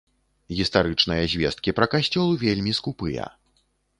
Гістарычныя звесткі пра касцёл вельмі скупыя.